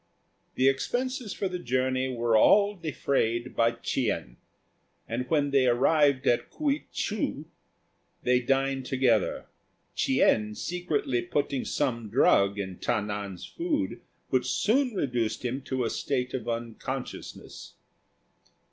The expenses of the journey were all defrayed by Ch'ien; and when they arrived at K'uei chou they dined together, Ch'ien secretly putting some drug in Ta nan's food which soon reduced him to a state of unconsciousness.